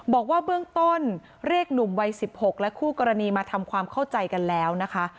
บอกว่าเบื้องต้นเรียกหนุ่มวัย๑๖และคู่กรณีมาทำความเข้าใจกันแล้วนะคะ